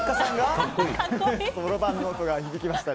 そろばんの音が響きました。